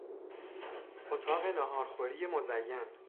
اتاق نهارخوری مزین